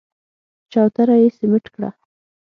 چوتره يې سمټ کړه.